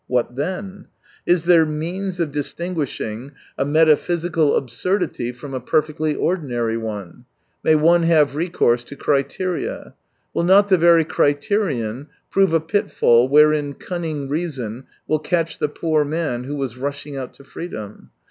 What then ? Is there means of distin i8i guishing a metaphysical absurdity from a perfectly ordinary one ? May one have recourse to criteria ? Will not the very criterion prove a pitfall wherein cunning reason will catch the poor man who was rushing out to freedom